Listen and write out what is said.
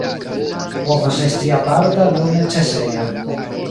Povas esti aparta nur necesejo.